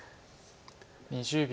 ２０秒。